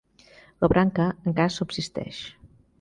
La branca encara subsisteix.